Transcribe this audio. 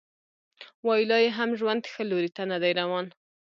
وايي لا یې هم ژوند ښه لوري ته نه دی روان